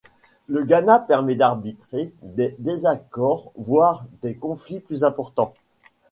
Le Gada permet d'arbitrer des désaccords, voire des conflits plus importants.